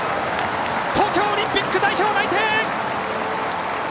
東京オリンピック代表内定！